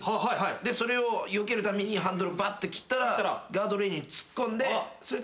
でそれをよけるためにハンドルをバッて切ったらガードレールに突っ込んでそれで亡くなります。